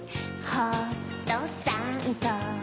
ホットサンド